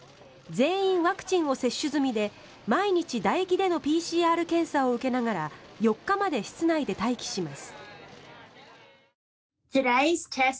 全員ワクチンを接種済みで毎日だ液でのＰＣＲ検査を受けながら４日まで室内で待機します。